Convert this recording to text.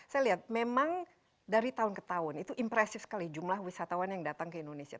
saya lihat memang dari tahun ke tahun itu impresif sekali jumlah wisatawan yang datang ke indonesia